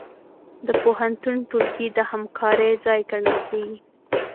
د پوهنتون ټولګي د همکارۍ ځای ګڼل کېږي.